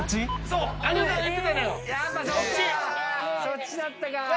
そっちだったか。